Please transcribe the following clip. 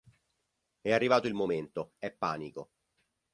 È arrivato il momento, è panico.